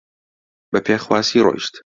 بە پێخواسی ڕۆیشت